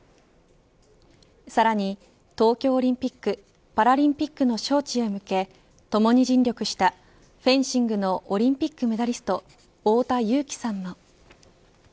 さらに東京オリンピックパラリンピックの招致へ向けともに尽力したフェンシングのオリンピックメダリスト太田雄貴さんも。